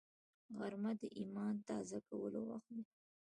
غرمه د ایمان تازه کولو وخت دی